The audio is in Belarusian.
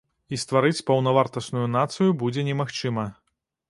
І стварыць паўнавартасную нацыю будзе немагчыма.